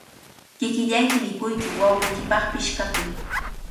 Kikillayki mikuytsu, wawqiykipaqpish katuy.